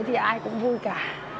thì ai cũng vui cả